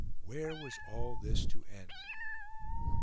Where was all this to end?